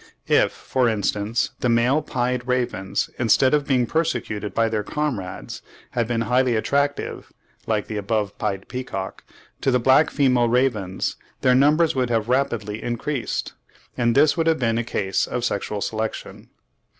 If, for instance, the male pied ravens, instead of being persecuted by their comrades, had been highly attractive (like the above pied peacock) to the black female ravens their numbers would have rapidly increased. And this would have been a case of sexual selection.